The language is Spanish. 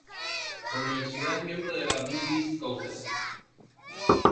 La universidad es miembro de la Big East Conference.